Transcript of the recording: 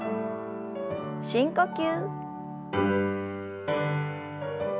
深呼吸。